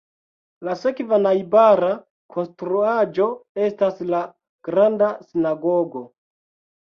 La sekva najbara konstruaĵo estas la Granda Sinagogo.